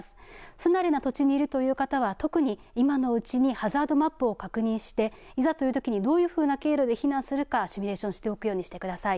不慣れな土地にいるという方は特に今のうちにハザードマップを確認して、いざというときにどういうふうな経路で避難するかシミュレーションしておくようにしてください。